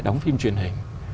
đóng phim truyền hình